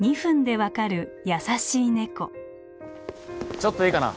ちょっといいかな？